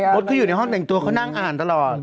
ดเขาอยู่ในห้องแต่งตัวเขานั่งอ่านตลอด